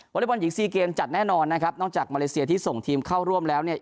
อเล็กบอลหญิงซีเกมจัดแน่นอนนะครับนอกจากมาเลเซียที่ส่งทีมเข้าร่วมแล้วเนี่ย